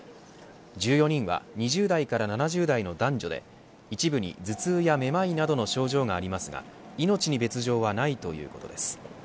１４人は２０代から７０代の男女で一部に頭痛や目まいなどの症状がありますが命に別条はないということです。